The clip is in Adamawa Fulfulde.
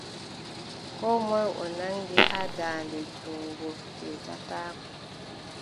Koo moy o nanngi haa daande junngo, teetataako.